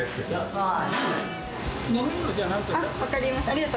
はい！